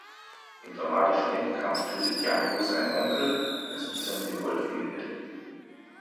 Im dramatischen Endkampf tötet Django seinen Onkel, als dieser mit dem Gold fliehen will.